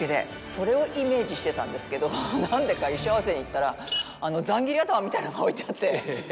それをイメージしてたんですけど何でか衣装合わせに行ったら散切り頭みたいのが置いてあって。